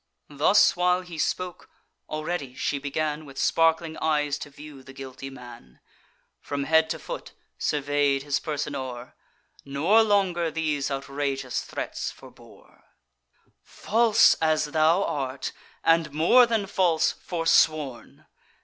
Thus while he spoke, already she began, With sparkling eyes, to view the guilty man; From head to foot survey'd his person o'er, Nor longer these outrageous threats forebore: "False as thou art, and, more than false, forsworn!